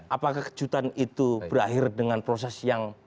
apakah kejutan itu berakhir dengan proses yang